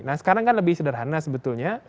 nah sekarang kan lebih sederhana sebetulnya